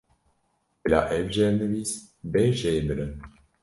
Bila ev jêrnivîs bê jêbirin?